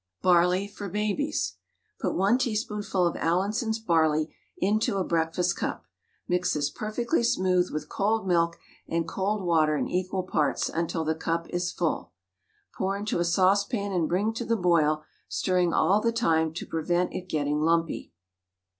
BARLEY FOR BABIES. Put 1 teaspoonful of Allinson's barley into a breakfast cup; mix this perfectly smooth with cold milk and cold water in equal parts, until the cup is full. Pour into a saucepan and bring to the boil, stirring all the time to prevent it getting lumpy.